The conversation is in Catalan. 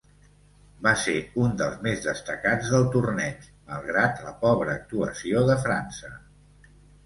Va ser un dels més destacats del torneig, malgrat la pobra actuació de França.